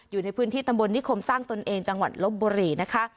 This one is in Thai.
อยู่ในพื้นที่ตำบลนิคมสร้างตนเองจังหวัดลบบุรีนะคะ